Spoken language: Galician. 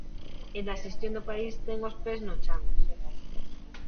E na xestión do país ten os pés no chan.